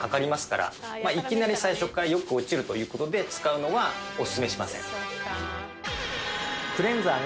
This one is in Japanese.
いきなり最初からよく落ちるという事で使うのはオススメしません。